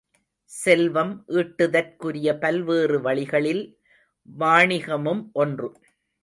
செல்வம் ஈட்டுதற்குரிய பல்வேறு வழிகளில் வாணிகமும் ஒன்று.